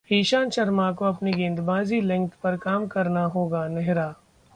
ईशांत शर्मा को अपनी गेंदबाजी लेंथ पर काम करना होगा: नेहरा